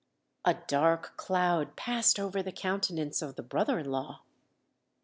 A dark cloud passed over the countenance of the brother in law.